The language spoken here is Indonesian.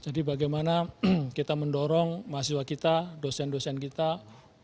jadi bagaimana kita mendorong mahasiswa kita dosen dosen kita dosen dosen kita untuk mencari kemampuan yang lebih baik